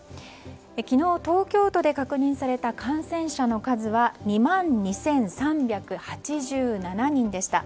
昨日、東京都で確認された感染者の数は２万２３８７人でした。